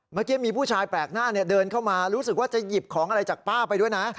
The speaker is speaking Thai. เมื่อกี้มีผู้ชายแปลกหน้าเดินเข้ามารู้สึกว่าจะหยิบของอะไรจากป้าไปด้วยนะ